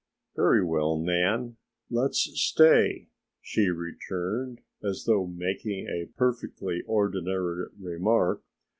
"Very well, Nan, let's stay," she returned, as though making a perfectly ordinary remark.